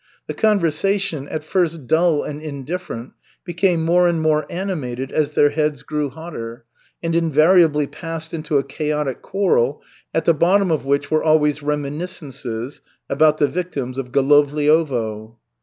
The conversation, at first dull and indifferent, became more and more animated as their heads grew hotter, and invariably passed into a chaotic quarrel, at the bottom of which were always reminiscences about the victims of Golovliovo.